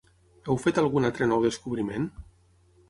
Heu fet algun altre nou descobriment?